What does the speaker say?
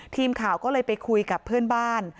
ทีมข่าวก็เลยไปคุยกับเพื่อนบ้าน